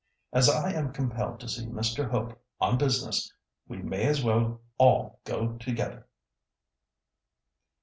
As I am compelled to see Mr. Hope on business, we may as well all go together."